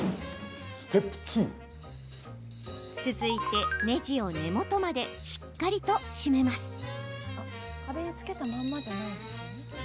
続いて、ねじを根元までしっかりと締めます。